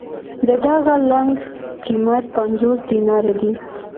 د دغه لنګ قېمت پنځوس دیناره دی.